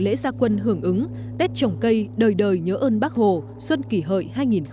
lễ gia quân hưởng ứng tết trồng cây đời đời nhớ ơn bác hồ xuân kỷ hợi hai nghìn một mươi chín